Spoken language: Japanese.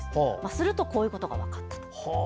すると、こういうことが分かったと。